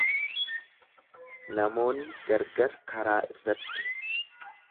Namoonni gargaara karaa irratti.